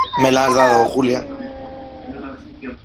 me las ha dado Julia.